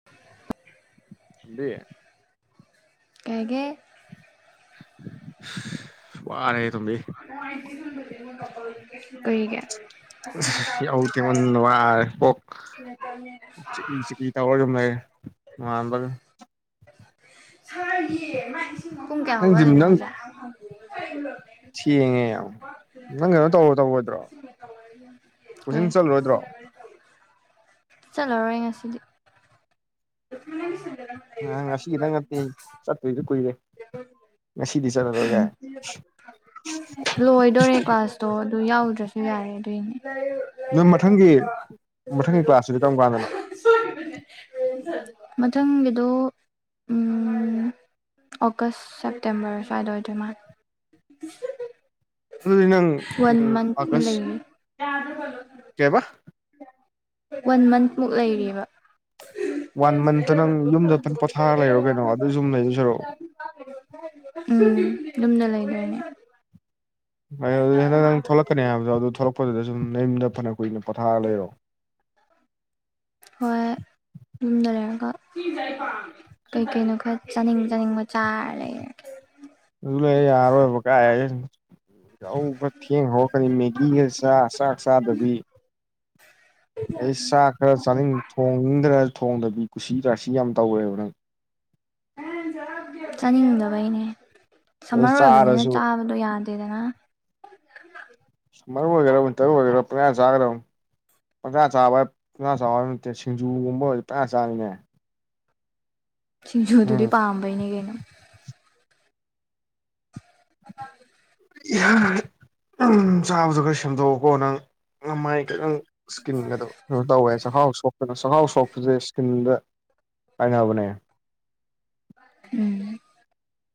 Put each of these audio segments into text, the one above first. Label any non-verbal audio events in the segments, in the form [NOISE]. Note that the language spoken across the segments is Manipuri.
[INAUDIBLE] ꯗ ꯀꯩ ꯍꯥꯏꯒꯦ ꯋꯥꯔꯦꯍꯦ ꯇꯣꯝꯕꯤ ꯀꯩꯒꯤ ꯌꯥꯍꯧ ꯊꯦꯡꯃꯟꯗꯅ ꯋꯔꯦ ꯀꯣꯛ ꯀꯣꯛ ꯆꯤꯛꯂꯤ ꯆꯤꯛꯂꯤ ꯇꯧꯔꯁꯨꯨꯝ ꯂꯩꯔꯦ ꯅꯣꯡꯉꯥꯟꯕꯒꯥ ꯄꯨꯡ ꯀꯌꯥ ꯅꯪ ꯖꯤꯝ ꯍꯧꯒꯠꯂꯤꯅꯣ ꯅꯪ ꯍꯥꯏꯖ ꯊꯦꯡꯉꯦ ꯌꯥꯝ ꯅꯪ ꯀꯩꯅꯣ ꯇꯧꯔꯣ ꯇꯧꯔꯣꯏꯗ꯭ꯔꯣ ꯀꯣꯆꯤꯡ ꯆꯠꯂꯣꯏꯗ꯭ꯔꯣ ꯆꯠꯂꯥꯔꯣꯏ ꯉꯁꯤꯗꯤ [INAUDIBLE] ꯅ ꯉꯁꯤꯒꯤꯗꯪ ꯅꯠꯇꯦ ꯆꯠꯇꯔꯤꯗꯣ ꯀꯨꯏꯔꯦ ꯉꯁꯤꯗꯤ ꯆꯠꯂꯔꯣꯏ ꯀꯥꯏ ꯂꯣꯏꯗꯣꯔꯦ ꯀ꯭ꯂꯥꯁꯇꯣ ꯑꯗꯨ ꯌꯥꯎꯗ꯭ꯔꯁꯨ ꯌꯥꯔꯦ ꯑꯗꯨꯏꯅꯦ ꯅꯪ ꯃꯊꯪꯒꯤ ꯃꯊꯪꯒꯤ ꯀ꯭ꯂꯥꯁꯇꯨꯗꯤ ꯀꯔꯝ ꯀꯥꯟꯗꯅꯣ [UNINTELLIGIBLE] ꯃꯊꯪꯒꯤꯗꯣ ꯎꯃ ꯑꯣꯒꯁ ꯁꯦꯞꯇꯦꯝꯕꯔ ꯁ꯭ꯋꯥꯏꯗ ꯑꯣꯏꯗꯣꯏ ꯃꯥꯜꯂꯦ ꯑꯗꯨꯗꯤ ꯅꯪ ꯋꯥꯟ ꯎꯝ ꯃꯟꯊ ꯀꯨꯝꯕ ꯑꯥꯒꯁ ꯂꯩꯔꯤ ꯀꯩꯕ ꯋꯥꯟ ꯃꯟ ꯃꯨꯛ ꯂꯩꯔꯤꯕ [UNINTELLIGIBLE] [UNINTELLIGIBLE] ꯋꯥꯟ ꯃꯟꯇ ꯅꯪ ꯌꯨꯝꯗ ꯐꯟ ꯄꯣꯊꯥꯔ ꯂꯩꯔꯣ ꯀꯩꯅꯣ ꯑꯗꯨ ꯁꯨꯝ ꯂꯩꯗꯣꯏ ꯁꯔꯨꯛ ꯎꯝ ꯌꯨꯝꯗ ꯂꯩꯗꯥꯏꯅꯦ [UNINTELLIGIBLE] ꯅꯪ ꯊꯣꯛꯂꯛꯀꯅꯤ ꯍꯥꯏꯕꯗꯣ ꯑꯗꯨ ꯊꯣꯛꯂꯛꯄꯗꯨꯗ ꯁꯨꯝ ꯅ ꯌꯨꯝꯗ ꯐꯅ ꯀꯨꯏꯅ ꯄꯣꯊꯥꯔꯒ ꯂꯩꯔꯣ ꯍꯣꯏ ꯌꯨꯝꯗ ꯂꯩꯔꯒ ꯀꯩꯀꯩꯅꯣ ꯈꯔ ꯆꯥꯅꯤꯡ ꯆꯥꯅꯤꯡꯕ ꯆꯥꯔ ꯂꯩꯔꯒꯦ ꯑꯗꯨ ꯂꯩ ꯌꯥꯔꯣꯏꯕ ꯀꯥꯏ ꯌꯥꯎꯕ ꯈꯔꯥ ꯊꯦꯡꯍꯧ ꯀꯔꯤ ꯃꯦꯒꯤꯒ ꯆ ꯆꯥꯛ ꯆꯥꯗꯕꯤ ꯑꯩ ꯆꯥꯛ ꯈꯔ ꯆꯥꯅꯤꯡꯗ ꯊꯣꯡꯅꯤꯡꯗ꯭ꯔ ꯊꯣꯡꯗꯕꯤ ꯀꯨꯁꯤꯗꯥꯁꯤ ꯌꯥꯝ ꯇꯧꯔꯦꯕ ꯅꯪ ꯆꯥꯅꯤꯡꯗꯕꯩꯅꯦ ꯑꯗꯨ ꯁꯝꯃꯔ ꯑꯣꯏꯕꯅꯤꯅ ꯆꯥꯔꯁꯨ ꯆꯥꯕꯗꯣ ꯌꯥꯗꯦꯗꯅ [INAUDIBLE] ꯃꯔ ꯑꯣꯏꯔ ꯇꯔ ꯑꯣꯏꯒꯦꯔꯌꯥ ꯆꯥꯒ꯭ꯔ ꯄꯪ ꯆꯥꯕ ꯄꯖꯥ ꯆꯥꯕꯕ ꯅꯠꯇꯦ ꯁꯤꯡꯖꯨꯒꯨꯝꯕ ꯑꯣꯏꯔꯗꯤ ꯄꯥ ꯆꯥꯔꯤꯅꯦ ꯁꯤꯡꯖꯨꯗꯨꯗꯤ ꯎꯝ ꯄꯥꯝꯕꯩꯅꯦ ꯀꯩꯅꯣ [INAUDIBLE] ꯎꯝ ꯆꯥꯕꯗ ꯈꯔ ꯁꯦꯝꯗꯣꯛꯑꯣꯀꯣ ꯅꯪ ꯃꯥꯏ ꯈꯤꯇꯪ ꯏꯁꯀꯤꯟꯒꯗꯣ ꯀꯩꯅꯣ ꯇꯧꯋꯦ ꯆꯥꯛꯈꯥꯎ ꯁꯣꯛꯇꯅꯁꯨ ꯆꯥꯛꯈꯥꯎ ꯁꯣꯛꯄꯁꯦ ꯏꯁꯀꯤꯟꯗ ꯇꯥꯏꯅꯕꯅꯦ ꯎꯝ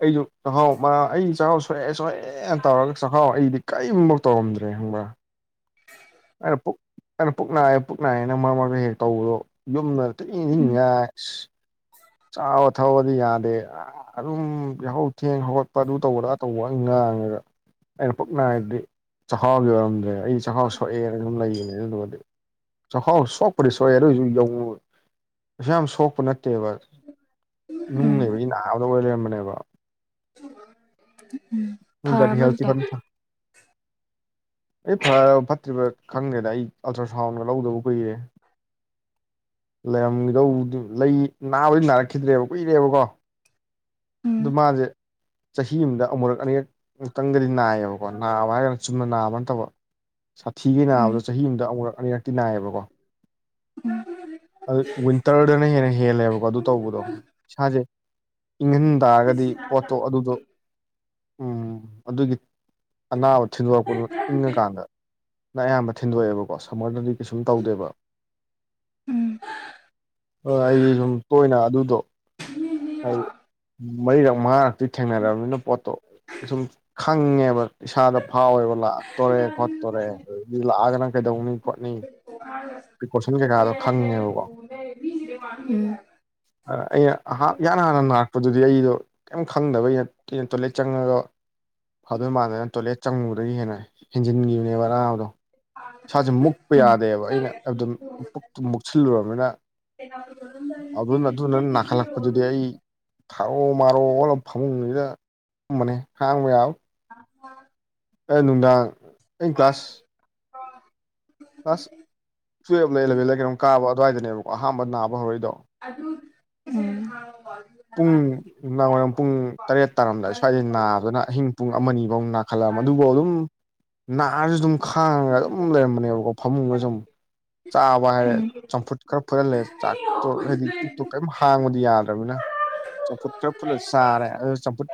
ꯑꯩꯁꯨ ꯆꯥꯛꯈꯥꯎ ꯑꯩ ꯆꯥꯛꯈꯥꯎ ꯁꯣꯛꯑꯦ ꯁꯣꯛꯑꯦꯅ ꯇꯧꯔꯒ ꯆꯥꯛꯈꯥꯎ ꯑꯩꯗꯤ ꯀꯔꯤꯝ ꯕꯎ ꯇꯧꯔꯝꯗ꯭ꯔꯦ ꯈꯪꯕ꯭ꯔ [INAUDIBLE] ꯑꯩꯅ ꯄꯨꯛ ꯑꯩꯅ ꯄꯨꯛ ꯅꯥꯏꯑꯦ ꯄꯨꯛ ꯅꯥꯏꯌꯦꯅ ꯃꯔꯛ ꯃꯔꯛꯇ ꯍꯦꯛ ꯇꯧꯕꯗꯣ ꯌꯨꯝꯗ [UNINTELLIGIBLE] ꯎꯝ ꯉꯥꯏ ꯆꯥꯕ ꯊꯛꯑꯣꯗꯤ ꯌꯥꯗꯦ ꯑꯗꯨꯝ ꯌꯥꯍꯧ ꯊꯦꯡ ꯍꯧꯒꯠꯄ ꯑꯗꯨ ꯇꯧꯕ ꯑꯥꯗꯥ ꯇꯧꯕ ꯉꯥꯡꯉꯒ ꯑꯩꯅ ꯄꯨꯛꯅ ꯅꯥꯏꯗꯤ ꯆꯥꯛꯈꯥꯎꯒꯤ ꯑꯣꯏꯔꯝꯗ꯭ꯔꯦꯕ ꯑꯩ ꯆꯥꯛꯈꯥꯎ ꯁꯣꯛꯑꯦꯅ ꯑꯗꯨꯝ ꯂꯩꯕꯅꯦ ꯑꯗꯨꯗꯨꯒꯗꯤ ꯆꯥꯛꯈꯥꯎ ꯁꯣꯛꯄꯗꯤ ꯁꯣꯛꯑꯦ ꯑꯗꯨ ꯑꯣꯏꯁꯨ ꯌꯧ ꯀꯩꯁꯨꯌꯥꯝ ꯁꯣꯛꯄ ꯅꯠꯇꯦꯕ ꯅꯨꯡ ꯎꯝ ꯂꯩꯕꯒꯤ ꯅꯥꯕꯗꯣ ꯑꯣꯏ ꯂꯩꯔꯝꯕꯅꯦꯕ ꯎꯝ ꯒꯠ ꯐꯔꯕꯣ ꯍꯦꯜꯊꯇꯤ ꯍꯧꯖꯤꯛꯇꯤ ꯐꯖꯅ ꯑꯩ ꯐꯔꯕ ꯐꯠꯇ꯭ꯔꯤꯕ ꯈꯪꯗꯦꯗ ꯑꯩ ꯑꯜꯇ꯭ꯔ ꯁꯥꯎꯟꯒ ꯂꯧꯗꯕ ꯀꯨꯏꯔꯦ ꯂꯩꯔꯝꯒꯤꯗꯧꯗꯤ ꯂꯩ ꯅꯥꯕꯗꯤ ꯅꯥꯔꯛꯈꯤꯗ꯭ꯔꯦꯕ ꯀꯨꯏꯔꯦꯕꯀꯣ ꯎꯝ ꯑꯗꯨ ꯃꯥꯁꯦ ꯆꯍꯤ ꯑꯃꯗ ꯑꯃꯨꯔꯛ ꯑꯅꯤꯔꯛ ꯃꯨꯛꯇꯪꯗꯤ ꯅꯥꯏꯌꯦꯕ ꯀꯣ ꯅꯥꯕ ꯍꯥꯏꯔꯒꯅ ꯆꯨꯝꯅ ꯅꯥꯕ ꯅꯠꯇꯕ ꯁꯥꯊꯤꯒꯩ ꯎꯝ ꯎꯝ ꯅꯥꯕꯗꯣ ꯆꯍꯤ ꯑꯃꯗ ꯑꯃꯨꯔꯛ ꯑꯅꯤꯔꯛ ꯇꯤ ꯅꯥꯏꯌꯦꯕꯀꯣ ꯋꯤꯟꯇꯔꯗꯅ ꯍꯦꯟꯅ ꯍꯦꯜꯂꯦꯕꯀꯣ ꯑꯗꯨ ꯇꯧꯕꯗꯣ ꯏꯁꯥꯁꯦ ꯏꯪꯍꯟ ꯇꯥꯔꯒꯗꯤ ꯄꯣꯠꯇꯣ ꯑꯗꯨꯗꯣ ꯎꯝ ꯑꯗꯨꯒꯤ ꯑꯅꯥꯕ ꯊꯤꯟꯗꯣꯔꯛꯄꯗꯨ ꯏꯪꯉ ꯀꯥꯟꯗ ꯑꯗꯨꯃꯥꯏꯅ ꯑꯌꯥꯝꯕ ꯊꯤꯟꯗꯣꯛꯑꯦꯕꯀꯣ ꯁꯝꯃꯔꯗꯗꯤ ꯀꯩꯁꯨꯝ ꯇꯧꯗꯦꯕ ꯎꯝ ꯍꯣꯏ ꯑꯩꯗꯤ ꯁꯨꯝ ꯇꯣꯏꯅ ꯑꯗꯨꯗꯣ ꯍꯥꯏ ꯃꯔꯤꯔꯛ ꯃꯉꯥꯔꯛꯇꯤ ꯊꯦꯡꯅꯔꯕꯅꯤꯅ ꯄꯣꯠꯇꯣ ꯁꯨꯝ ꯈꯪꯉꯦꯕ ꯏꯁꯥꯗ ꯐꯥꯎꯋꯦꯕ ꯇꯣꯔꯦ ꯈꯣꯠꯇꯣꯔꯦ ꯑꯗꯨꯗꯒꯤ ꯂꯥꯛꯑꯒꯅ ꯀꯩꯗꯧꯅꯤ ꯈꯣꯠꯅꯤ ꯄ꯭ꯔꯤꯀꯣꯁꯟ ꯀꯩꯀꯥꯗꯣ [UNINTELLIGIBLE] ꯑ ꯑꯩꯅꯥ ꯏꯍꯥꯟ ꯍꯥꯟꯅ ꯅꯥꯔꯛꯄꯗꯨꯗꯤ ꯑꯩꯗꯣ ꯀꯩꯝ ꯈꯪꯗꯕꯩ ꯑꯩꯅ ꯇꯣꯏꯂꯦꯠ ꯆꯪꯉꯒ ꯐꯗꯣꯏ ꯃꯥꯟꯗꯂꯦꯅ ꯇꯣꯏꯂꯦꯠ ꯆꯪꯉꯨꯕꯗꯒꯤ ꯍꯦꯟꯅ ꯍꯦꯟꯖꯤꯟꯒꯤꯕꯅꯦꯕ ꯑꯅꯥꯕꯗꯣ [INAUDIBLE] ꯏꯁꯥꯁꯦ ꯃꯨꯛꯄ ꯌꯥꯗꯦꯕ ꯑꯩꯅ ꯑꯗꯨꯝ ꯄꯨꯛꯇꫭ ꯃꯨꯛꯁꯤꯜꯂꯨꯔꯕꯅꯤꯅ ꯑꯗꯨꯅ ꯑꯗꯨꯅ ꯅꯥꯈꯠꯂꯛꯄꯗꯨꯗꯤ ꯑꯩ ꯊꯥꯔꯣ ꯃꯥꯔꯣ ꯑꯣꯜꯂꯒ ꯐꯃꯨꯡꯁꯤꯗ ꯇꯨꯝꯕꯅꯦ ꯈꯥꯡꯕ ꯌꯥꯕ [INAUDIBLE] ꯑꯩꯅ ꯅꯨꯡꯗꯥꯡ ꯑꯩ ꯀ꯭ꯂꯥꯁ [INAUDIBLE] ꯀ꯭ꯂꯥꯁ ꯇꯨꯌꯦꯜꯄꯂ ꯑꯦꯂꯕꯦꯟꯗ ꯀꯩꯅꯣꯝ ꯀꯥꯕ ꯑꯗꯨꯋꯥꯏꯗꯅꯦꯕꯀꯣ ꯑꯍꯥꯟꯕ ꯅꯥꯕ ꯍꯧꯔꯛꯏꯗꯣ ꯑꯗꯨ [UNINTELLIGIBLE] ꯅꯨꯃꯤꯗꯥꯡ ꯋꯥꯏꯔꯝ ꯄꯨꯡ ꯇꯔꯦꯠ ꯇꯥꯔꯝꯗꯥꯏꯗ ꯁ꯭ꯋꯥꯏꯗꯩ ꯅꯥꯕꯗꯨꯅ ꯑꯍꯤꯡ ꯄꯨꯡ ꯑꯃꯅꯤꯐꯧ ꯅꯥꯈꯠꯂꯛ ꯑꯕꯅꯦ ꯑꯗꯨꯕꯧ ꯑꯗꯨꯝ ꯅꯥꯔꯁꯨ ꯑꯗꯨꯝ ꯈꯥꯡꯉꯒ ꯑꯗꯨꯝ ꯂꯩꯔꯝꯕꯅꯦꯕꯀꯣ ꯐꯃꯨꯡꯗ ꯁꯨꯝ ꯆꯥꯕ ꯎꯝ ꯍꯥꯏꯔꯦ ꯎꯝ ꯆꯝꯐꯨꯠ ꯈꯔ ꯐꯨꯠꯍꯜꯂꯦ ꯆꯥꯛꯇꯣ ꯍꯥꯏꯗꯤ ꯄꯨꯛꯇꯣ ꯀꯔꯤꯝ ꯍꯥꯡꯕꯗꯤ ꯌꯥꯗ [UNINTELLIGIBLE] ꯆꯝꯐꯨꯠ ꯈꯔ ꯐꯨꯠꯂ ꯆꯥꯔꯦ ꯑꯗꯣ ꯆꯝꯐꯨꯠ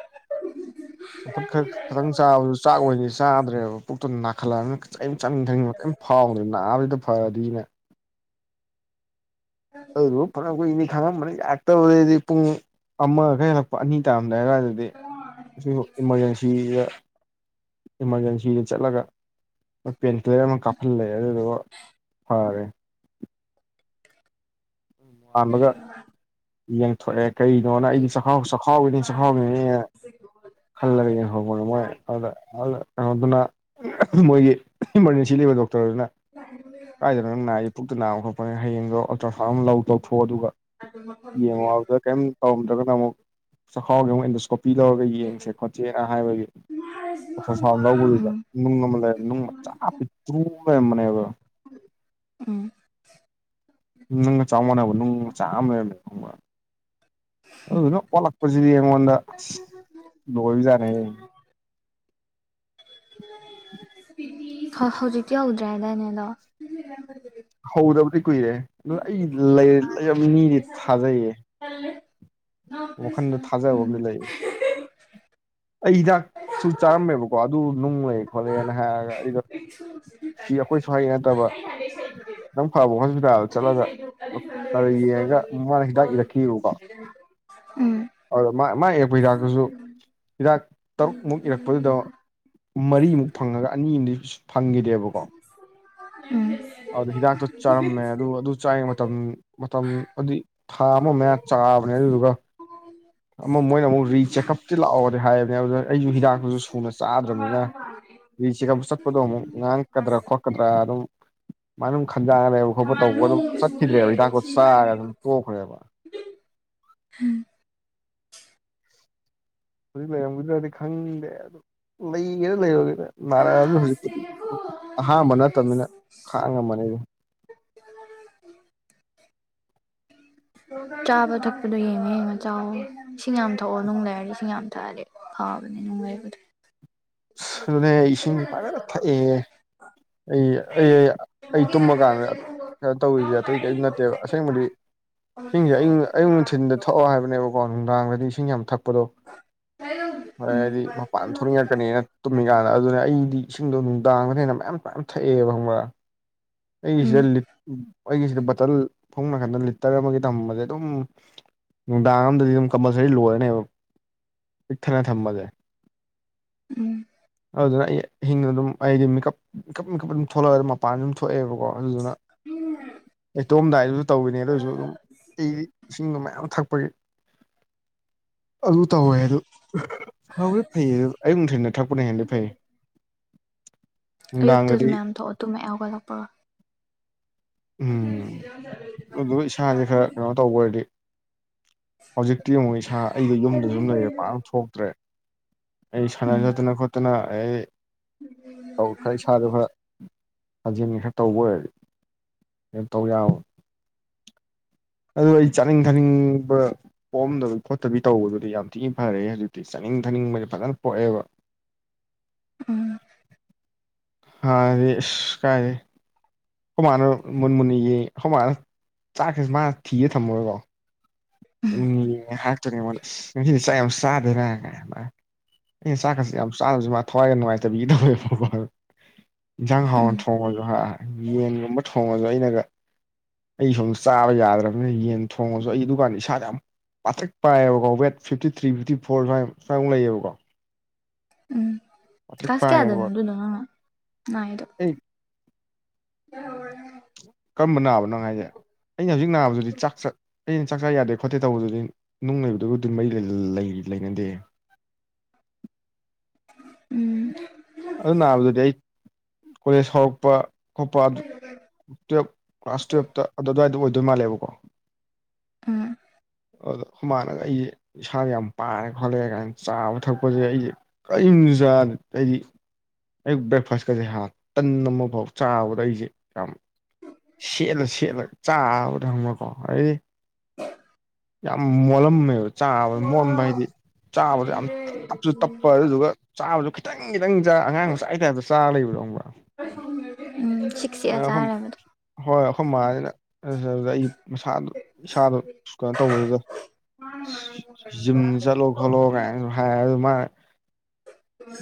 ꯆꯝꯐꯨꯠ ꯈꯇꯪ ꯆꯥꯕ ꯑꯗꯨ ꯆꯥꯛ ꯑꯣꯏꯅ ꯆꯥꯗ꯭ꯔꯦꯕ ꯄꯨꯛꯇꯣ ꯅꯥꯈꯠꯂꯛ ꯑꯃꯤꯅ ꯆꯥꯅꯤꯡ ꯊꯛꯅꯤꯡꯕ ꯀꯔꯤꯝ ꯐꯥꯎꯗꯔꯦ ꯅꯥꯕꯁꯤꯗ ꯐꯔꯗꯤꯅ ꯑꯗꯨꯝ ꯐꯅ ꯀꯨꯏꯅꯗꯤ ꯈꯥꯡꯉꯝꯕꯅꯤ ꯌꯥꯔꯛꯕꯗꯒꯤꯗꯤ ꯄꯨꯡ ꯑꯃ ꯈꯔ ꯍꯦꯜꯂꯛꯄ ꯑꯅꯤ ꯇꯥꯔꯝꯗꯥꯏ ꯑꯁꯋꯥꯏꯗꯗꯤ ꯏꯃꯥꯔꯖꯦꯟꯁꯤꯗ ꯏꯃꯥꯔꯖꯦꯟꯁꯤ ꯁꯤꯗ ꯆꯠꯂꯒ ꯄꯦꯟ ꯀꯤꯂꯔ ꯑꯃ ꯀꯥꯞꯐꯜꯂꯦ ꯑꯗꯨꯗꯨꯒ ꯐꯒ꯭ꯔꯦ ꯅꯣꯉꯥꯟꯕꯒ ꯌꯦꯡꯊꯣꯛꯑꯦ ꯀꯩꯅꯣꯅ ꯑꯩꯗꯤ ꯆꯈꯥꯎ ꯆꯈꯥꯎꯒꯤꯅꯤ ꯆꯈꯥꯎꯒꯤꯅꯤꯅ ꯈꯜꯂꯒ ꯌꯦꯡꯍꯧꯕꯗ ꯃꯣꯏ ꯑꯗꯨꯗ ꯀꯅꯣꯗꯨꯅ ꯃꯣꯏꯒꯤ ꯏꯃꯥꯔꯖꯦꯟꯁꯤ ꯂꯩꯕ ꯗꯣꯛꯇꯔꯗꯨꯅ ꯀꯥꯏꯗꯅꫭ ꯅꯪ ꯅꯥꯏ ꯍꯥꯏꯖꯦ ꯄꯨꯛꯇ ꯅꯥꯕ ꯈꯣꯠꯄꯅꯤ ꯍꯌꯦꯡꯗꯣ ꯑꯇ꯭ꯔꯥꯁꯥꯎꯟ ꯑꯃ ꯂꯧ ꯊꯣꯛ ꯑꯗꯨꯒ ꯌꯦꯡꯉꯣꯒ ꯀꯩꯝ ꯇꯧꯔꯝꯗ꯭ꯔꯒꯅ ꯑꯃꯨꯛ ꯆꯈꯥꯎꯒꯤ ꯑꯃꯨꯛ ꯑꯦꯟꯗꯣꯁꯀꯣꯞ ꯄꯤ ꯂꯧꯔꯒ ꯌꯦꯡꯁꯦ ꯈꯣꯠꯁꯦꯅ ꯍꯥꯏꯕꯒꯤ ꯑꯇ꯭ꯔꯥꯁꯥꯎꯟ ꯂꯧꯕꯗꯨꯗ ꯎꯝ ꯅꯨꯡ ꯑꯃ ꯂꯩꯔꯝ ꯅꯨꯡ ꯃꯆꯥ ꯄꯤꯛꯇ꯭ꯔꯨꯃ ꯂꯩꯔꯝꯕꯅꯦꯕ ꯎꯝ ꯅꯨꯡꯒ ꯆꯥꯎ ꯃꯥꯟꯅꯕ ꯅꯨꯡ ꯃꯆꯥ ꯑꯃ ꯂꯩꯔꯝꯃꯦ ꯈꯪꯕꯔꯥ ꯑꯗꯨꯗꯨꯅ ꯑꯣꯠꯂꯛꯄꯁꯤꯗꯤ ꯑꯩꯉꯣꯟꯗ ꯂꯣꯏꯕꯖꯥꯠꯅꯤꯍꯦ ꯍꯧ ꯍꯧꯖꯤꯛꯇꯤ ꯍꯧꯗ꯭ꯔꯦ ꯍꯥꯏꯗꯥꯏꯅꯦ ꯑꯗꫭ ꯍꯧꯗꯕꯗꯤ ꯀꯨꯏꯔꯦ ꯑꯗꯨ ꯑꯩ ꯂꯩ ꯂꯩꯔꯝꯅꯤꯗꯤ ꯊꯥꯖꯩꯌꯦ ꯇꯜꯂꯦ ꯋꯥꯈꯟꯗ ꯊꯥꯖꯕ ꯑꯃꯗꯤ ꯂꯩꯌꯦ [UNINTELLIGIBLE] ꯑꯩ ꯍꯤꯗꯥꯛꯁꯨ ꯆꯥꯔꯝꯃꯦꯕꯀꯣ ꯑꯗꯨ ꯅꯨꯡ ꯂꯩ ꯈꯣꯠꯂꯦꯅ ꯍꯥꯏꯔꯒ ꯑꯩꯗꯣ ꯁꯤ ꯑꯩꯈꯣꯏ ꯁꯋꯥꯏꯒꯤ ꯅꯠꯇꯕ ꯈꯤꯇꯪ ꯐꯕ ꯍꯣꯁꯄꯤꯇꯥꯜꯗ ꯆꯠꯂꯒ ꯗꯥꯛꯇꯔ ꯌꯦꯡꯉꯒ ꯃꯥꯅ ꯍꯤꯗꯥꯛ ꯏꯔꯛꯈꯤꯕꯀꯣ ꯎꯝ ꯑꯗꯨꯗ ꯃꯥ ꯏꯔꯛꯄ ꯍꯤꯗꯥꯛꯇꯨꯁꯨ ꯍꯤꯗꯥꯛ ꯇꯔꯨꯛꯃꯨꯛ ꯏꯔꯛꯄꯗꯨꯗ ꯃꯔꯤꯃꯨꯛ ꯐꯪꯉꯒ ꯑꯅꯤꯝꯗꯤ ꯐꯪꯒꯤꯗꯦꯕꯀꯣ ꯎꯝ ꯑꯗꯨꯗ ꯍꯤꯗꯥꯛꯇꯣ ꯆꯥꯔꯝꯃꯦ ꯑꯗꯨ ꯑꯗꯨ ꯆꯥꯔꯤꯉꯩꯪ ꯃꯇꯝ ꯃꯇꯝ ꯑꯗꯤ ꯊꯥ ꯑꯃ ꯃꯌꯥ ꯆꯥꯕꯅꯦ ꯑꯗꯨꯗꯨꯒ [INAUDIBLE] ꯑꯃ ꯃꯣꯏꯅꯃꯨꯛ ꯔꯤ ꯆꯦꯛꯀꯞꯇꯤ ꯂꯥꯛꯑꯣꯗꯤ ꯍꯥꯏꯕꯅꯦ ꯑꯗꯨ ꯑꯩꯁꯨ ꯍꯤꯗꯥꯛꯇꯨꯁꯨ ꯁꯨꯅ ꯆꯥꯗ꯭ꯔꯕꯅꯤꯅ ꯔꯤꯆꯦꯛꯀꯞ ꯆꯠꯄꯗꯣ ꯑꯃꯨꯛ ꯉꯥꯡꯉꯛꯀꯗ꯭ꯔꯥ ꯈꯣꯠꯀꯗ꯭ꯔꯥ ꯑꯗꯨꯝ ꯃꯥꯏꯅ ꯑꯗꯨꯝ ꯈꯟꯖꯥꯡꯅ ꯂꯩꯕ ꯈꯣꯠꯄ ꯇꯧꯕ ꯑꯗꯨꯝ ꯆꯠꯈꯤꯗ꯭ꯔꯦꯕ ꯍꯤꯗꯥꯛꯇꯣ ꯆꯥꯔꯒ ꯑꯗꯨꯝ ꯇꯣꯛꯈ꯭ꯔꯦꯕ ꯎꯝ ꯍꯧꯖꯤꯛ ꯂꯩꯔꯝꯒꯗ꯭ꯔꯗꯤ ꯈꯪꯗꯦ ꯑꯗꯨ ꯂꯩꯒꯦꯔ ꯂꯩꯔꯣꯏꯒꯦꯔ ꯅꯥꯔꯛꯑꯁꯨ ꯍꯧꯖꯤꯛꯄꯨꯗꯤ ꯑꯍꯥꯟꯕ ꯅꯠꯇꯕꯅꯤꯅ ꯈꯥꯡꯉꯝꯃꯅꯦ ꯗ ꯆꯥꯕ ꯊꯛꯄꯗꯣ ꯌꯦꯡꯉ ꯌꯦꯡꯉ ꯆꯥꯑꯣ ꯏꯁꯤꯡ ꯌꯥꯝ ꯊꯛꯑꯣ ꯅꯨꯡ ꯂꯩꯔꯗꯤ ꯏꯁꯤꯡ ꯌꯥꯝ ꯊꯛꯑꯗꯤ ꯐꯕꯅꯦ ꯅꯨꯉꯥꯏꯕꯗꯨ ꯑꯗꯒꯨꯝꯕꯥ ꯅꯦ ꯏꯁꯤꯡꯗꯤ ꯐꯖꯅ ꯊꯛꯑꯦꯌꯦ ꯑꯩ ꯑꯩ ꯑꯩ ꯇꯨꯝꯃ ꯀꯥꯟꯗ ꯇꯧꯔꯤꯁꯦ ꯑꯇꯩ ꯀꯩꯝ ꯅꯠꯇꯦꯕ ꯑꯁꯦꯡꯕꯗꯤ ꯏꯁꯤꯡꯁꯦ ꯑꯌꯨꯛ ꯑꯌꯨꯛ ꯅꯨꯡꯊꯤꯟꯗ ꯊꯛꯑꯣ ꯍꯥꯏꯕꯅꯦꯕ ꯀꯣ ꯅꯨꯡꯗꯥꯡꯗꯗꯤ ꯏꯁꯤꯡ ꯌꯥꯝ ꯊꯛꯄꯗꯣ ꯍꯣꯏ ꯎꯝ ꯍꯥꯏꯗꯤ ꯃꯄꯥꯟ ꯊꯣꯛꯅꯤꯡꯉꯛꯀꯅꯦꯅ ꯇꯨꯝꯃꯤꯀꯥꯟꯗ ꯑꯗꯨꯅꯦ ꯑꯩꯗꯤ ꯏꯁꯤꯡꯗꯣ ꯅꯨꯡꯗꯥꯡꯗ ꯍꯦꯟꯅ ꯃꯌꯥꯝ ꯃꯌꯥꯝ ꯊꯛꯑꯦꯕ ꯈꯪꯕ꯭ꯔꯥ ꯑꯩꯒꯤꯁꯤꯗ ꯎꯝ ꯂꯤꯠ ꯑꯩꯒꯤꯁꯤꯗ ꯕꯇꯜ ꯐꯃꯨꯡ ꯅꯥꯀꯟꯗ ꯂꯤꯇꯔ ꯑꯃꯒꯤ ꯊꯝꯕꯁꯦ ꯑꯗꯨꯝ ꯅꯨꯡꯗꯥꯡ ꯑꯝꯗꯗꯤ ꯑꯗꯨꯝ ꯀꯝꯄꯜꯁꯔꯤ ꯂꯣꯏꯔꯅꯦꯕ ꯄꯤꯛꯊꯟꯅ ꯊꯝꯕꯁꯦ ꯎꯝ ꯑꯗꯨꯅ ꯑꯩ ꯑꯍꯤꯡ ꯑꯗꯨꯝ ꯑꯩꯗꯤ ꯃꯤꯀꯞ ꯃꯤꯀꯞ ꯃꯤꯀꯞ ꯑꯗꯨꯝ ꯊꯣꯛꯂꯛꯑ ꯃꯄꯥꯟꯗ ꯑꯗꯨꯝ ꯊꯣꯛꯑꯦꯕꯀꯣ ꯑꯗꯨꯗꯨꯅ ꯑꯩꯇꯨꯝꯃꯝꯗꯥꯏꯗꯁꯨ ꯇꯧꯋꯤꯅꯦ ꯑꯗꯣꯏꯁꯨ ꯑꯗꯨꯝ ꯑꯩ ꯏꯁꯤꯡꯗꯨ ꯃꯌꯥꯝ ꯊꯛꯄꯒꯤ ꯑꯗꯨ ꯇꯧꯋꯦ ꯑꯗꯨ ꯐꯕꯨꯗꯤ ꯐꯩꯌꯦ ꯑꯗꯨ ꯑꯌꯨꯛ ꯅꯨꯡꯊꯤꯟꯗ ꯊꯛꯄꯅ ꯍꯦꯟꯅꯗꯤ ꯐꯩ [INAUDIBLE] ꯑꯌꯨꯛꯇꯁꯨ ꯅꯨꯡꯗꯥꯡꯗꯗꯤ ꯃꯌꯥꯝ ꯊꯛꯑꯣ ꯇꯨꯝ ꯃꯌꯥꯝ ꯊꯛꯄꯔꯣ ꯎꯝ ꯑꯗꯨꯒ ꯏꯁꯥꯁꯦ ꯈꯔ ꯀꯩꯅꯣ ꯇꯧꯒꯔꯗꯤ ꯍꯧꯖꯤꯛꯇꯤ ꯌꯦꯡꯉꯣ ꯏꯁꯥ ꯑꯩꯗꯣ ꯌꯨꯝꯗꯁꯨꯨꯝ ꯂꯩꯔꯦ ꯄꯥꯛꯅ ꯊꯣꯛꯇ꯭ꯔꯦ ꯑꯩ ꯁꯅꯥ ꯎꯝ ꯆꯠꯇꯅ ꯈꯣꯠꯇꯅ ꯑꯗꯩꯗꯤ ꯇꯧ ꯏꯁꯥꯗꯣ ꯈꯔ ꯁꯥꯖꯦꯟꯒ ꯈꯔ ꯇꯧꯕ ꯑꯣꯏꯔꯗꯤ ꯀ ꯇꯧ ꯌꯥꯕ ꯑꯗꯨ ꯑꯩ ꯆꯥꯅꯤꯡ ꯊꯥꯅꯤꯡꯕ ꯄꯣꯝꯗꯕꯤ ꯈꯣꯠꯇꯕꯤ ꯇꯧꯕꯗꯨꯗꯤ ꯌꯥꯝ ꯊꯤꯅ ꯐꯔꯛꯑꯦ ꯍꯧꯖꯤꯛꯇꯤ ꯆꯥꯅꯤꯡ ꯊꯥꯅꯤꯡꯕꯅ ꯐꯖꯅ ꯄꯣꯛꯑꯦꯕ ꯎꯝ ꯍꯥ ꯔꯁ ꯀꯥꯏꯦ ꯍꯨꯃꯥꯅ ꯃꯨꯟ ꯃꯨꯅꯤ ꯌꯦ ꯁꯃꯅ ꯆꯥꯛꯁꯤꯁꯨ ꯃꯥ ꯊꯤꯒ ꯊꯝꯃꯨꯔꯀꯣ ꯎꯝ ꯍꯥꯛꯇꯣꯏꯅꯦ ꯃꯣꯟ ꯅꯨꯡꯁꯤꯗꯤ ꯆꯥꯛ ꯌꯥꯝ ꯆꯥꯗꯦꯅ ꯑꯦ ꯆꯥꯛꯀꯁꯤ ꯌꯥꯝ ꯆꯥꯗꯕꯁꯤ ꯃꯥ ꯊꯋꯥꯏꯅ ꯅꯨꯡꯉꯥꯏꯇꯕꯤꯒꯤꯗꯕꯋ ꯌꯦꯟꯁꯥꯡ ꯎꯝ ꯍꯥꯎꯅ ꯊꯣꯡꯉꯁꯨ ꯍꯥ ꯌꯦꯟꯒꯨꯝꯕ ꯊꯣꯡꯉꯁꯨ ꯑꯩꯅꯒ ꯑꯩ ꯁꯨꯝꯝ ꯆꯥꯕ ꯌꯥꯗ꯭ꯔꯕꯅꯤꯅ ꯌꯦꯟ ꯊꯣꯡꯉꯁꯨ ꯑꯩꯒꯤ ꯗꯨꯀꯥꯟ ꯏꯁꯥꯗ ꯌꯥꯝ ꯄꯥꯛꯊꯛ ꯄꯥꯏꯌꯦꯕꯀ weight fifty three fifty four ꯁꯨꯃꯥꯏꯅ ꯁꯨꯃꯥꯏꯨꯛ ꯂꯩꯌꯦꯕꯀꯣ ꯎꯝ ꯄꯥꯇ꯭ꯔꯤꯛ ꯈꯥꯁꯒꯦ ꯑꯗꯨꯅ ꯑꯗꯨꯅ ꯅꯅꯥꯏꯗꯣ ꯎꯝ ꯍ ꯀꯔꯝꯕ ꯅꯥꯕꯅꯣ ꯍꯥꯏꯁꯦ ꯑꯩꯅ ꯍꯧꯖꯤꯛ ꯅꯥꯕꯗꯨꯗꯤ ꯆꯥꯛ ꯆꯠ ꯑꯩꯩꯅ ꯆꯥꯛ ꯆꯥ ꯌꯥꯗꯦ ꯈꯣꯠꯇꯦ ꯇꯧꯕꯗꯨꯗꯤ ꯅꯨꯡ ꯂꯩꯕꯗꯨꯒ ꯑꯗꯨꯝ ꯃꯔꯤ ꯂꯩꯅꯗꯦ ꯎꯝ ꯑꯗꯨ ꯅꯥꯕꯗꯗꯤ ꯑꯩ ꯀꯣꯂꯦꯖ ꯍꯧꯔꯛꯄ ꯈꯣꯠꯄ ꯑꯗꯨ ꯇꯨꯌꯦꯜꯞ ꯀ꯭ꯂꯥꯁ ꯇꯨꯌꯦꯜꯞꯇ ꯑꯗꯨ ꯑꯗꯨꯋꯥꯏꯗ ꯑꯣꯏꯗꯣꯏ ꯃꯥꯜꯂꯦꯕꯀꯣ ꯎꯝ ꯑꯗꯣ ꯍ ꯃꯥꯟꯅꯒ ꯑꯩꯁꯦ ꯏꯁꯥꯗ ꯌꯥꯝ ꯄꯥꯔꯦ ꯈꯣꯠꯂꯛꯑꯦ ꯀꯥꯏꯅ ꯆꯥꯕ ꯊꯛꯄꯁꯦ ꯑꯩꯁꯦ ꯀꯔꯤꯝ ꯆꯥ ꯑꯩꯗꯤ ꯑꯩ ꯕ꯭ꯔꯦꯛꯐꯥꯁꯀꯁꯦ ꯍꯥꯟ ꯇꯟ ꯑꯃ ꯐꯥꯎ ꯆꯥꯕꯗ ꯑꯩꯁꯦ ꯌꯥꯝ ꯁꯦꯠꯂ ꯁꯦꯠꯂꯒ ꯆꯥꯕ ꯊꯪꯕꯀꯣ ꯑꯩꯗꯤ ꯌꯥꯝ ꯃꯣꯜꯂꯝꯃꯦꯕ ꯆꯥꯕ ꯃꯣꯟꯕ ꯍꯥꯏꯗꯤ ꯆꯥꯕꯗ ꯌꯥꯝ ꯇꯞꯁꯨ ꯇꯞꯄ ꯑꯗꯨꯗꯨꯒ ꯆꯥꯕꯗꯨ ꯈꯤꯇꯪ ꯈꯤꯇꯪ ꯆꯥ ꯑꯉꯥꯡ ꯃꯆꯥ ꯇꯥꯏꯞꯇ ꯆꯥꯔ ꯂꯩꯕꯗꯧꯕ꯭ꯔꯥ ꯑꯩ ꯁ ꯑꯩꯈꯣꯏ ꯍꯣꯏ ꯑꯩꯈꯣꯏ ꯃꯥꯅꯤꯅ ꯑꯗꯨ ꯑꯩ ꯃꯁꯥꯗꯣ ꯏꯁꯥꯗꯣ [UNINTELLIGIBLE] ꯀꯩꯅꯣ ꯇꯧꯕꯗꯨꯗ ꯖꯤꯝ ꯆꯠꯂꯣ ꯈꯣꯠꯂꯣ ꯀꯥꯏꯅꯁꯨ ꯍꯥꯏ ꯑꯗꯨ ꯃꯥꯅ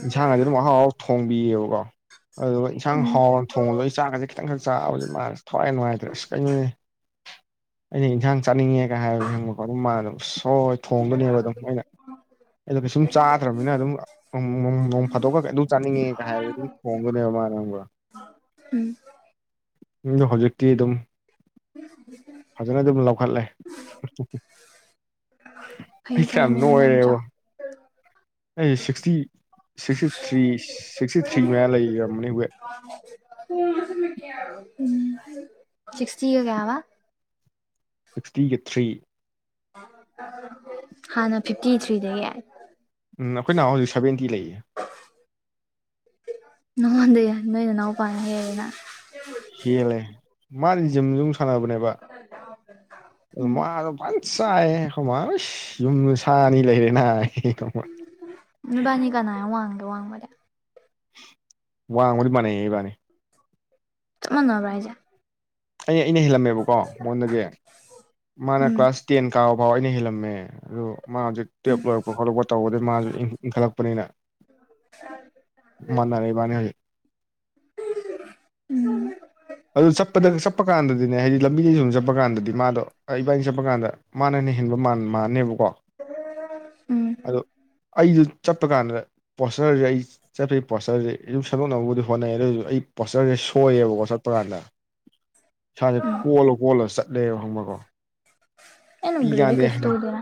ꯏꯟꯁꯥꯡꯒꯗꯤ ꯑꯗꯨꯝ ꯍꯥꯎ ꯍꯔꯥꯎ ꯊꯣꯡꯕꯤꯌꯦꯕꯀꯣ ꯑꯗꯨꯒ ꯏꯟꯁꯥꯡ ꯎꯝ ꯍꯥꯎꯔ ꯊꯣꯡꯉꯗ ꯑꯩ ꯆꯥꯛꯁꯦ ꯈꯤꯇꯪꯈꯛ ꯆꯥꯕꯁ ꯃꯥꯁꯦ ꯊꯋꯥꯏ ꯅꯨꯡꯉꯥꯏꯇ꯭ꯔꯦ ꯑꯁ ꯀꯩꯅꯣꯅꯦ ꯑꯩꯅ ꯏꯟꯁꯥꯡ ꯆꯥꯅꯤꯡꯉꯦꯒ ꯍꯥꯏꯕ ꯍꯪꯕꯀꯣ ꯑꯗꯨ ꯃꯥꯥꯟ ꯁꯣꯏ ꯊꯣꯡꯗꯨꯅꯦꯕ ꯑꯗꯨꯝ ꯃꯣꯏꯅ ꯑꯗꯣ ꯀꯩꯁꯨꯝ ꯆꯥꯗ꯭ꯔꯕꯅꯤꯅ ꯑꯗꯨꯝ ꯅꯣꯡ ꯐꯥꯗꯣꯛꯀ ꯀꯩ ꯑꯗꯨꯝ ꯆꯥꯅꯤꯡꯉꯦꯒ ꯍꯥꯏꯔꯒ ꯑꯗꯨꯝ ꯊꯣꯡꯒꯅꯦꯕ ꯃꯥꯅ ꯑꯃꯒ ꯎꯝ ꯎꯝ ꯍꯧꯖꯤꯛ ꯇꯤ ꯑꯗꯨꯝ ꯐꯖꯅ ꯑꯗꯨꯝ ꯂꯧꯈꯠꯂꯦ ꯐꯩ ꯄꯤꯁ ꯐꯩ ꯌꯥꯝ ꯃꯌꯥꯝ ꯃꯌꯥꯝ ꯆꯥꯎ ꯅꯣꯏꯔꯦꯕ ꯑꯩ sixty sixty [UNINTELLIGIBLE] [UNINTELLIGIBLE] three sixty three ꯃꯌꯥ ꯂꯩꯔꯝꯃꯅꯤ ꯋꯦꯠ [UNINTELLIGIBLE] ꯁꯤꯛꯁꯇꯤꯒ ꯀꯌꯥꯕ ꯁꯤꯛꯁꯇꯤꯒꯤ ꯊ꯭ꯔꯤ ꯍꯥꯟꯅ ꯐꯤꯞꯇꯤ ꯊ꯭ꯔꯤꯗꯒꯤ ꯌꯥꯏ ꯎꯝ ꯑꯩꯈꯣꯏ ꯅꯍ ꯍꯧꯖꯤꯛ ꯁꯕꯦꯟꯇꯤ ꯂꯩꯌꯦ ꯅꯉꯉꯣꯟꯗ ꯅꯣꯏꯅ ꯏꯅꯥꯎꯄꯥꯅ ꯍꯌꯦꯅꯤꯅ ꯍꯦꯂꯦ ꯃꯥꯖꯨꯝꯖꯨꯝ ꯁꯥꯟꯅꯕꯅꯦꯕ [INAUDIBLE] ꯎꯝ ꯃ ꯄ ꯆꯥꯏ ꯍꯃꯥꯏ ꯌꯨꯝꯗ ꯁꯥꯅꯤ ꯂꯩꯔꯦꯅꯍ ꯀ ꯏꯕꯥꯅꯤ ꯀꯅꯥꯅ ꯋꯥꯡꯒꯦ ꯋꯥꯡꯕꯗ ꯋꯥꯡꯃꯗꯤ ꯃꯥꯟꯅꯩ ꯑꯩ ꯏꯕꯥꯅꯤ ꯇꯨꯃꯅꯔꯥꯏꯖꯦ ꯑꯩ ꯑꯩꯅ ꯍꯦꯜꯂꯝꯃꯦꯕꯀꯣ ꯃꯉꯣꯟꯗꯒꯤ ꯃꯥꯅ ꯎꯝ ꯀ꯭ꯂꯥꯁ ꯇꯦꯟ ꯀꯥꯕ ꯐꯥꯎ ꯑꯩꯅ ꯍꯦꯜꯂꯝꯃꯦ ꯑ ꯃꯥ ꯍꯧꯖꯤꯛ ꯇꯦꯞ ꯂꯣꯏꯔꯛꯄ ꯈꯣꯠꯂꯛꯄ ꯇꯧꯕꯗꯒꯤ ꯃꯥꯁꯨ ꯏꯟꯈꯠꯂꯛꯄꯅꯤꯅ ꯃꯅꯔꯦ ꯃꯥꯅꯦ ꯎꯝ ꯑꯗꯨ ꯆꯠꯄꯗ ꯆꯠꯄ ꯀꯥꯟꯗꯗꯤꯅꯦ ꯍꯥꯏꯗꯤ ꯂꯝꯕꯤꯗꯩ ꯁꯨꯝ ꯆꯠꯄ ꯀꯥꯟꯗꯗꯤ ꯃꯥꯗꯣ ꯏꯕꯥꯏꯅ ꯆꯠꯄ ꯀꯥꯟꯗ ꯃꯥꯅꯅ ꯍꯦꯟꯕ ꯃꯥꯅꯦꯕꯀꯣ ꯎꯝ ꯑꯗꯣ ꯑꯩꯁꯨ ꯆꯠꯄ ꯀꯥꯟꯗ ꯄꯣꯁꯇꯔꯁꯦ ꯑꯩ ꯆꯠꯄꯒꯤ ꯄꯣꯁꯇꯔꯁꯦ ꯑꯗꯨꯝ ꯁꯦꯝꯟꯗꯣꯛꯅꯕꯕꯨꯗꯤ ꯍꯣꯠꯅꯩ ꯑꯗꯨ ꯑꯣꯏꯔꯁꯨ ꯑꯩ ꯄꯣꯁꯇꯔꯁꯦ ꯁꯣꯏꯑꯦꯕꯣ ꯄ꯭ꯔꯥꯟꯗ ꯏꯁꯥꯁꯦ ꯀꯣꯜꯂ ꯀꯣꯜꯂ ꯆꯠꯂꯦꯕ ꯍꯪꯕꯀꯣ ꯅ ꯅꯪꯕꯤꯦꯗꯤꯛꯦꯁꯣ ꯍꯣꯗꯦꯔꯥ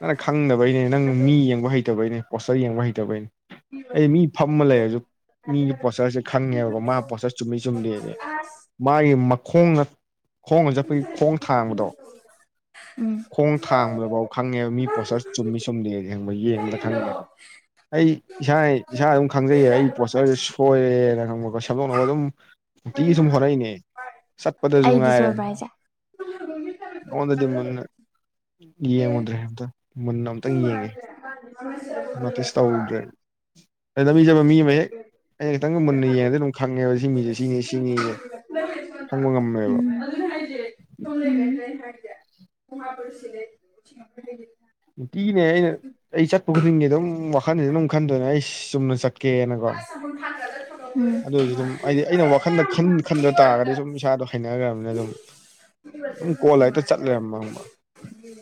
ꯅꯪ ꯈꯪꯗꯕꯩꯅꯦ ꯅꯪ ꯃꯤ ꯌꯦꯡꯕ ꯍꯩꯇꯕꯩꯅꯦ ꯄꯣꯁꯇꯔ ꯌꯦꯡꯕ ꯍꯩꯇꯕꯩꯅꯦ ꯑꯩ ꯃꯤ ꯐꯝꯃ ꯂꯩꯔꯁꯨ ꯃꯤꯒꯤ ꯄꯣꯠꯁꯆꯔꯁꯦ ꯈꯪꯉꯦꯕꯀꯣ ꯃꯥ ꯄꯣꯠꯆꯔ ꯆꯨꯝꯃꯤ ꯆꯨꯝꯗꯦꯅꯦ ꯃꯥꯒꯤ ꯃꯈꯣꯡꯅ ꯈꯣꯡꯅ ꯆꯠꯄꯒꯤ ꯈꯣꯡ ꯊꯥꯡꯕꯗꯣ ꯎꯝ ꯈꯣꯡ ꯊꯥꯡꯕꯗ ꯕꯥꯎ ꯈꯪꯉꯦꯕ ꯃꯤ ꯄꯣꯠꯆꯔ ꯆꯨꯝꯃꯤ ꯆꯨꯝꯗꯦꯗꯤ ꯈꯪꯕ꯭ꯔꯥ ꯌꯦꯡꯕꯗ ꯈꯪꯉꯦꯕ ꯑꯩ ꯏꯁꯥ ꯏꯁꯥ ꯑꯗꯨꯝ ꯈꯪꯖꯩꯌꯦ ꯑꯩ ꯄꯣꯁꯆꯔꯖꯦ ꯁꯣꯏꯔꯦꯅ ꯈꯪꯕꯀꯣ ꯁꯦꯝꯗꯣꯛꯅꯕ ꯑꯗꯨꯝ ꯅꯨꯡꯇꯤ ꯁꯨꯝ ꯍꯣꯠꯅꯔꯤꯅꯦ ꯆꯠꯄꯗꯖꯨ ꯑꯩꯗꯤ ꯉꯥꯏꯔꯦ ꯁꯣꯏꯕ꯭ꯔꯥ ꯍꯥꯏꯁꯦ ꯅꯉꯣꯟꯗꯥꯗꯤ ꯃꯨꯟꯅ ꯌꯦꯡꯉꯨꯗ꯭ꯔꯦ ꯑꯝꯇꯥ ꯅꯣꯇꯤꯁ ꯇꯧꯔꯨꯗ꯭ꯔꯦ [UNINTELLIGIBLE] ꯂꯝꯕꯤ ꯆꯠꯄ ꯃꯤ ꯑꯃ ꯍꯦꯛ ꯑꯩꯅ ꯈꯤꯇꯪꯒ ꯃꯨꯟꯅ ꯌꯦꯡꯉꯗꯤ ꯑꯗꯨꯝ ꯈꯪꯉꯦꯕ ꯁꯤ ꯃꯤꯖꯦ ꯁꯤꯅꯤ ꯁꯤꯅꯤꯖꯦ ꯈꯪꯕ ꯉꯝꯃꯦꯕ ꯑꯗꯨꯅꯦ ꯍꯥꯏꯖꯦ [UNINTELLIGIBLE] ꯅꯨꯡꯇꯤꯒꯤꯅꯦ ꯑꯩꯅ ꯑꯩ ꯆꯠꯄ ꯈꯨꯗꯤꯡꯒꯤ ꯑꯗꯨꯝ ꯋꯥꯈꯟꯖꯦ ꯑꯗꯨꯝ ꯈꯟꯗꯣꯏꯅꯦ ꯑꯩ ꯆꯨꯝꯅ ꯆꯠ ꯑꯥ [UNINTELLIGIBLE] ꯊꯥꯡꯒꯠꯂꯥ ꯊꯝꯃꯝꯕ ꯑꯗꯨ ꯑꯣꯏꯖꯨ ꯑꯗꯨꯝ ꯍꯥꯏꯗꯤ ꯑꯩꯅ ꯋꯥꯈꯟ ꯈꯟꯗ ꯇꯥꯔꯒꯗꯤ ꯁꯨꯝ ꯏꯁꯥꯗꯣ ꯍꯩꯅꯒ꯭ꯔꯥꯕꯅꯤꯅ ꯑꯗꯨꯝ ꯑꯗꯨꯝ ꯀꯣꯜꯂ ꯍꯦꯛꯇꯥ ꯆꯠ ꯂꯩꯔꯝꯕ ꯈꯪꯕ꯭ꯔꯥ [INAUDIBLE]